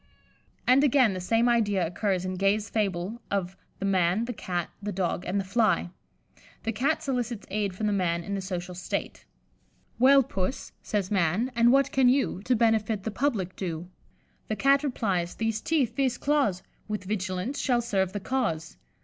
And, again, the same idea occurs in Gay's fable of the "Man, the Cat, the Dog, and the Fly." The Cat solicits aid from the Man in the social state. "'Well, Puss,' says Man, 'and what can you To benefit the public do?' The Cat replies, 'These teeth, these claws, With vigilance shall serve the cause.